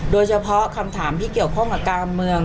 โดยเฉพาะคำถามที่เกี่ยวข้องกับการเมือง